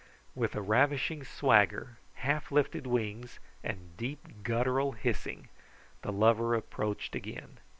With a ravishing swagger, half lifted wings, and deep, guttural hissing, the lover approached again.